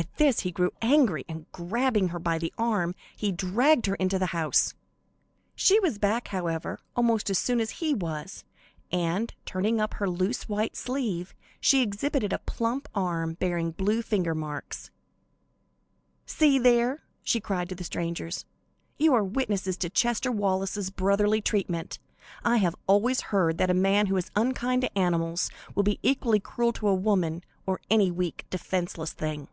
At this, he grew angry, and, grabbing her by the arm, he dragged her into the house. She was back, however, almost as soon as he was, and turning up her loose white sleeve, she exhibited a plump arm bearing blue finger marks. "See there!" she cried to the strangers, "you are witnesses to Chester Wallace's brotherly treatment. I have always heard that a man who is unkind to animals will be equally cruel to woman, or any weak, defenceless thing."